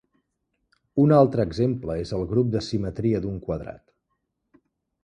Un altre exemple és el grup de simetria d'un quadrat.